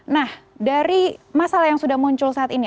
nah dari masalah yang sudah muncul saat ini